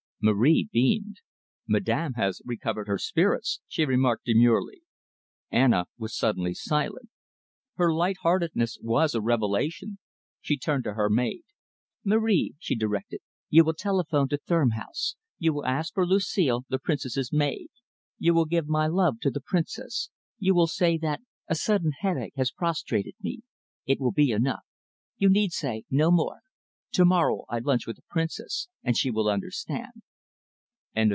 Marie beamed. "Madame has recovered her spirits," she remarked demurely. Anna was suddenly silent. Her light heartedness was a revelation. She turned to her maid. "Marie," she directed, "you will telephone to Thurm House. You will ask for Lucille, the Princess's maid. You will give my love to the Princess. You will say that a sudden headache has prostrated me. It will be enough. You need say no more. To morrow I lunch with the Princess, and she will understand."